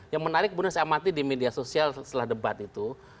yang menarik kemudian saya amati di media sosial setelah debat itu